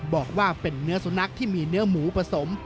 บอกว่าเป็นเนื้อสุนัขที่มีเนื้อหมูผสม